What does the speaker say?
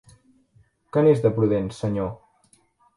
Que n'és de prudent, senyor!